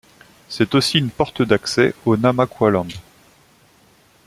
C'est aussi une porte d'accès au Namaqualand.